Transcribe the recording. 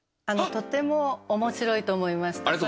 とても面白いと思いました。